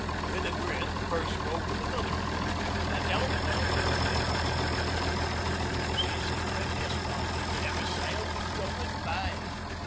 With a grin the purser opened another attack. "Don't blame you a bit, Mr. Elliot. She's the prettiest colleen that ever sailed from Dublin Bay."